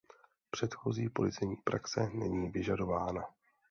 Předchozí policejní praxe není vyžadována.